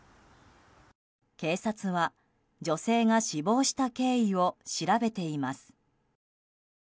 警察は女性が死亡した経緯を調べています。